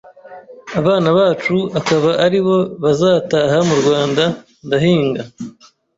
abana bacu akaba aribo bazataha mu Rwanda, ndahinga